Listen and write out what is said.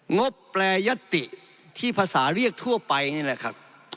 งบแปรยติที่ภาษาเรียกทั่วไปนี่แหละครับ